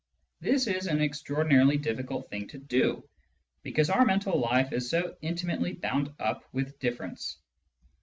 This is an extraordinarily difficult thing to do, because our mental life is so intimately bound up with difference.